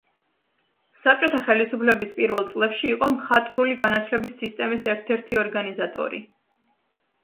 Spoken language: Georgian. საბჭოთა ხელისუფლების პირველ წლებში იყო მხატვრული განათლების სისტემის ერთ-ერთი ორგანიზატორი.